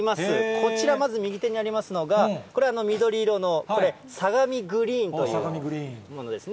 こちら、まず右手にありますのが、これ、緑色のこれ、相模グリーンというものですね。